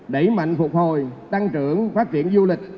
đẩy mạnh phục hồi tăng trưởng phát triển du lịch